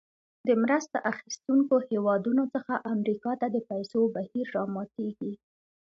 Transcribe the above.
د مرسته اخیستونکو هېوادونو څخه امریکا ته د پیسو بهیر راماتیږي.